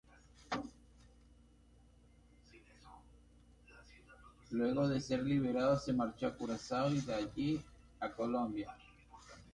Luego de ser liberado se marchó a Curazao y de allí a Colombia.